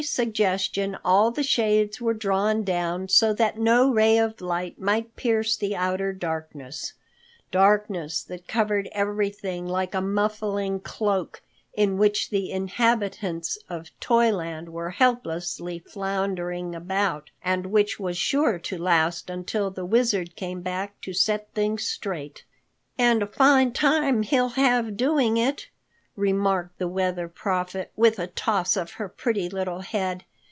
] At Sally's suggestion, all the shades were drawn down so that no ray of light might pierce the outer darkness—darkness that covered everything like a muffling cloak, in which the inhabitants of Toyland were helplessly floundering about, and which was sure to last until the Wizard came back to set things straight. "And a fine time he'll have doing it," remarked the Weather Prophet with a toss of her pretty little head.